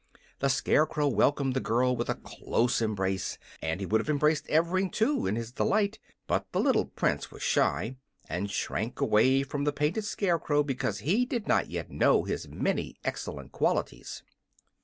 The Scarecrow welcomed the girl with a close embrace, and he would have embraced Evring, too, in his delight. But the little Prince was shy, and shrank away from the painted Scarecrow because he did not yet know his many excellent qualities.